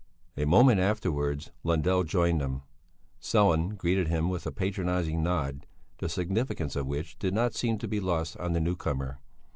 A moment afterwards Lundell joined them; Sellén greeted him with a patronizing nod, the significance of which did not seem to be lost on the newcomer.